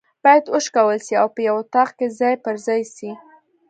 بايد وشکول سي او په یو اطاق کي ځای پر ځای سي